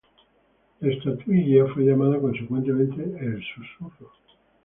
La estatuilla fue llamada consecuentemente "El Susurro".